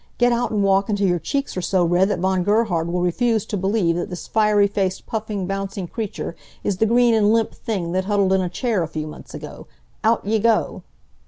Get out and walk until your cheeks are so red that Von Gerhard will refuse to believe that this fiery faced puffing, bouncing creature is the green and limp thing that huddled in a chair a few months ago. Out ye go!"